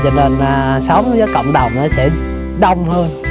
cho nên sống với cộng đồng sẽ đông hơn